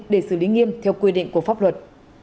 để xử lý nghiêm theo quy định của pháp luật